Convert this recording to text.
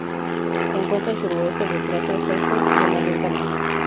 Se encuentra al suroeste del cráter Seyfert, de mayor tamaño.